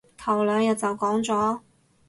頭兩日就講咗